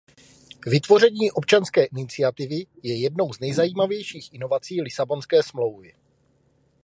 Vytvoření občanské iniciativy je jednou z nejzajímavějších inovací Lisabonské smlouvy.